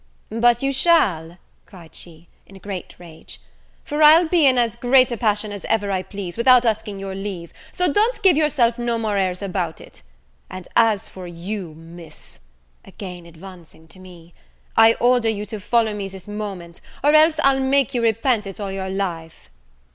"But you shall," cried she, in a great rage; "for I'll be in as great a passion as ever I please, without asking your leave: so don't give yourself no more airs about it. And as for you Miss," again advancing to me, "I order you to follow me this moment, or else I'll make you repent it all your life."